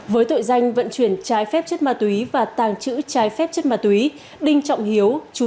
với tội danh vận chuyển trái phép chất ma túy và tàng trữ trái phép chất ma túy đinh trọng hiếu